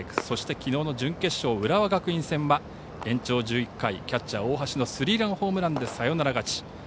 そしてきのう準決勝浦和学院戦は延長１１回キャッチャー、大橋のスリーランホームランでサヨナラ勝ち。